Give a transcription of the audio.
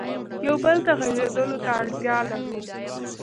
یو بل ته غږېدلو ته اړتیا لرو.